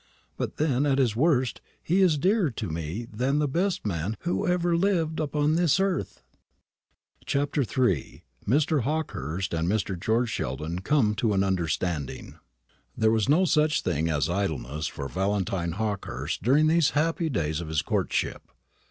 But then at his worst he is dearer to me than the best man who ever lived upon this earth." CHAPTER III. MR. HAWKEHURST AND MR. GEORGE SHELDON COME TO AN UNDERSTANDING. There was no such thing as idleness for Valentine Hawkehurst during these happy days of his courtship.